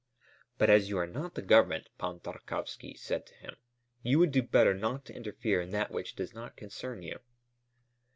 "But as you are not the Government," Pan Tarkowski said to him, "you would do better not to interfere in that which does not concern you."